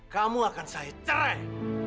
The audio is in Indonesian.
kamu akan saya cerai